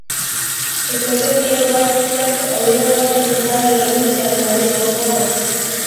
په کوټه کې یو غټ کټ او یوه غټه هنداره لرونکې المارۍ پرته وه.